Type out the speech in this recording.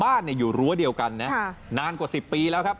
อยู่รั้วเดียวกันนะนานกว่า๑๐ปีแล้วครับ